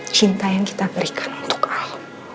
cinta yang kita berikan untuk air